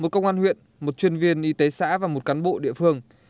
một công an huyện một chuyên viên y tế xã và một cán bộ địa phương